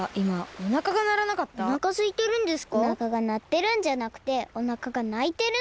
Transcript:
おなかがなってるんじゃなくておなかがないてるの。